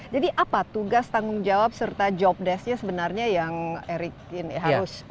jadi apa tugas tanggung jawab serta job desk nya sebenarnya yang erik ini harus